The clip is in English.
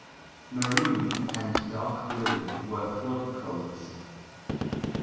Maroon and dark blue were club colours.